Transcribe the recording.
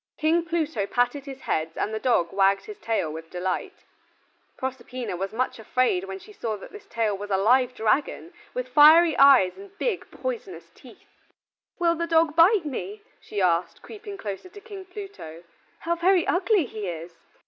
King Pluto patted his heads and the dog wagged his tail with delight. Proserpina was much afraid when she saw that his tail was a live dragon, with fiery eyes and big poisonous teeth. "Will the dog bite me?" she asked, creeping closer to King Pluto. "How very ugly he is."